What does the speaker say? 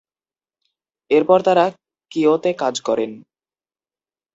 এরপর তারা কিয়োতে কাজ করেন।